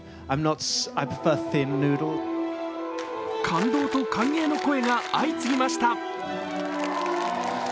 感動と歓迎の声が相次ぎました。